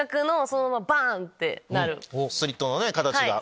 スリットの形が。